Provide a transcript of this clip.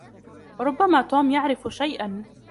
ربما توم يعرف شيئاً.